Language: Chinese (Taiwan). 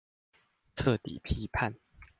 徹底批判